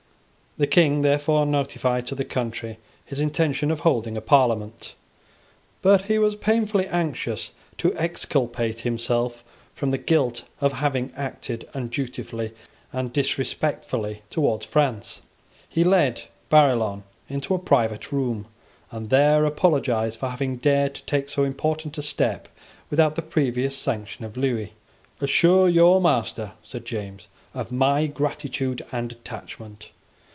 The King therefore notified to the country his intention of holding a Parliament. But he was painfully anxious to exculpate himself from the guilt of having acted undutifully and disrespectfully towards France. He led Barillon into a private room, and there apologised for having dared to take so important a step without the previous sanction of Lewis. "Assure your master," said James, "of my gratitude and attachment.